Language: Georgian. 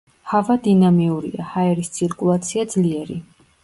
ჰავა დინამიურია, ჰაერის ცირკულაცია ძლიერი.